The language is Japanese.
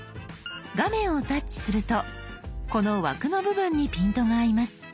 画面をタッチするとこの枠の部分にピントが合います。